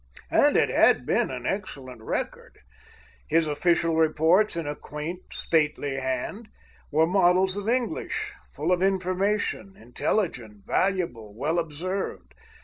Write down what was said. And it had been an excellent record. His official reports, in a quaint, stately hand, were models of English; full of information, intelligent, valuable, well observed.